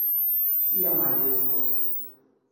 Kia majesto!